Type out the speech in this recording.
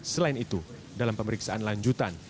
selain itu dalam pemeriksaan lanjutan